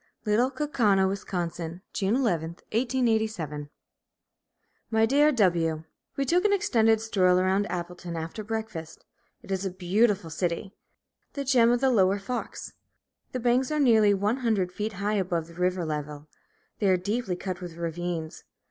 LITTLE KAUKAUNA, WIS., June 11, 1887. My Dear W : We took an extended stroll around Appleton after breakfast. It is a beautiful city, the gem of the Lower Fox. The banks are nearly one hundred feet high above the river level. They are deeply cut with ravines.